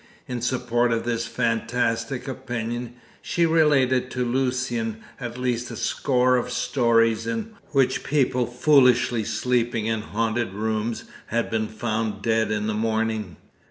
In support of this fantastic opinion she related to Lucian at least a score of stories in which people foolishly sleeping in haunted rooms had been found dead in the morning.